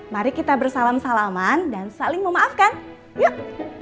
mari kita bersalam salaman dan saling memaafkan yuk